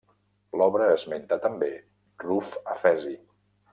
L'obra l'esmenta també Ruf Efesi.